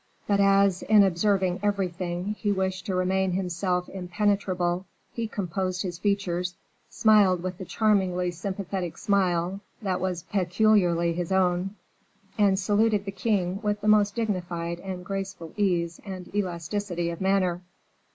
But as, in observing everything, he wished to remain himself impenetrable, he composed his features, smiled with the charmingly sympathetic smile that was peculiarly his own, and saluted the king with the most dignified and graceful ease and elasticity of manner.